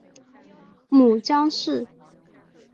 母江氏。